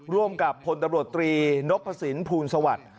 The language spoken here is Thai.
ร่วมกับพลตำรวจตรีนพสินภูลสวัสดิ์